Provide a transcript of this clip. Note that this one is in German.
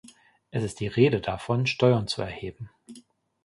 Es ist die Rede davon, Steuern zu erheben.